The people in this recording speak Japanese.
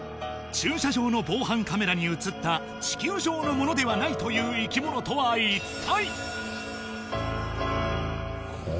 駐車場の防犯カメラに写った地球上のものではないという生き物とは一体？